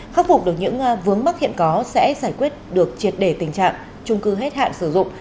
khắc phục được những vướng mắc hiện có sẽ giải quyết được triệt đề tình trạng chung cư hết hạn sử dụng